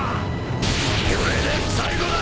これで最後だ！